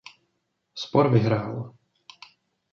Spor vyhrál.